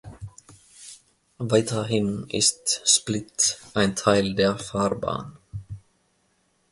Weiterhin ist Splitt ein Teil der Fahrbahn.